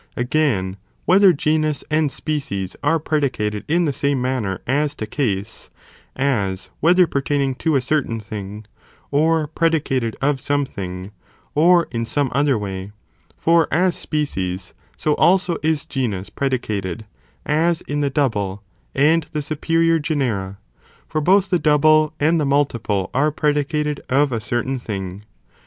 Again, whether genus and species are predi 7tn. whether cated in the same manner as to case, as whether Sate ait pre pertaining to a certain thing, or predicated of dicated in the something, or in some other way, for as species, ""°°™ 80 also is genus (predicated), as in the double, and the superior (genera), for both the double and the multiple are predicated ofa certain thing.